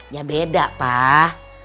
ya beda pak